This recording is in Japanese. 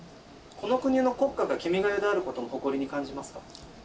この国の国歌が「君が代」であることも誇りに感じますか？